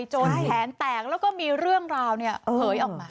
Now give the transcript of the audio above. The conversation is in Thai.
แขนแตกแล้วก็มีเรื่องราวเผยออกมา